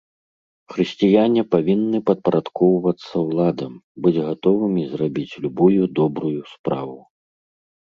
Хрысціяне павінны падпарадкоўвацца ўладам, быць гатовымі зрабіць любую добрую справу.